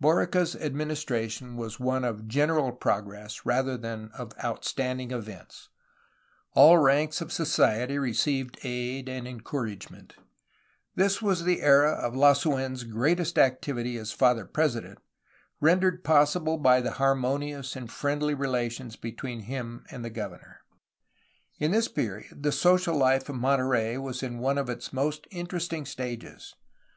Borica's administration was one of general progress, rather than of outstanding events. All ranks of society received aid and encouragement. This was the era of Lasu^n^s great est activity as Father President, rendered possible by the harmonious and friendly relations between him and the governor. In this period the social life of Monterey was in one of its most interesting stages.